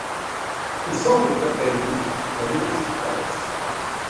Il semble qu’après lui la monarchie disparaisse.